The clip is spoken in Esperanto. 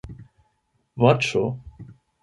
voĉo